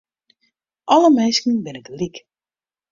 Alle minsken binne gelyk.